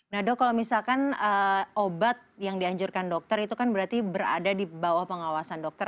nah dok kalau misalkan obat yang dianjurkan dokter itu kan berarti berada di bawah pengawasan dokter